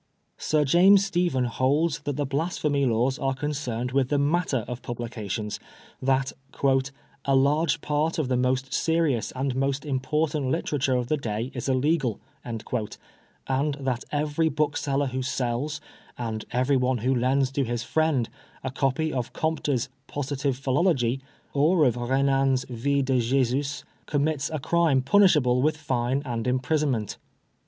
Sir James Stephen holds that the Blasphemy Laws are concerned with the matter of publications, that " a large part of the most serious and most important literature of the day is illegal," and that every book seller who sells, and everyone who lends to his friend, a copy of Comte's Positive Philosophy^ or of Kenan's Vi^ de Jesus^ commits a crime punishable with fine and imprisonment.